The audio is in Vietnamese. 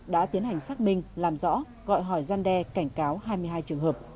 đã tiến hành xác minh làm rõ gọi hỏi gian đe cảnh cáo hai mươi hai trường hợp